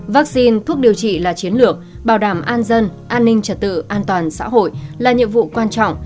vaccine thuốc điều trị là chiến lược bảo đảm an dân an ninh trật tự an toàn xã hội là nhiệm vụ quan trọng